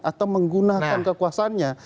atau menggunakan kekuasanya